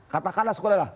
katakanlah sekolah lah